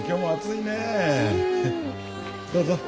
どうぞ。